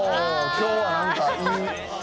今日、なんかいい。